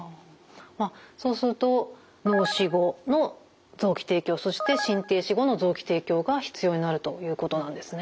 まあそうすると脳死後の臓器提供そして心停止後の臓器提供が必要になるということなんですね。